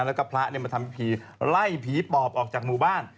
แล้วก็พระมาทำพิธีไล่ผีปอบออกจากหมู่บ้าน